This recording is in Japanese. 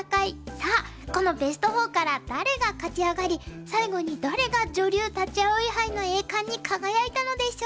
さあこのベスト４から誰が勝ち上がり最後に誰が女流立葵杯の栄冠に輝いたのでしょうか。